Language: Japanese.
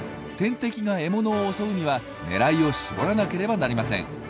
天敵が獲物を襲うには狙いを絞らなければなりません。